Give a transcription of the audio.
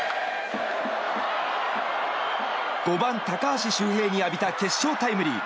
５番、高橋周平に浴びた決勝タイムリー。